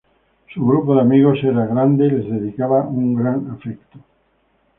Su grupo de amigos, era grande y les dedicaba un gran afecto.